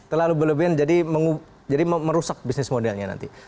terlalu berlebihan jadi merusak bisnis modelnya nanti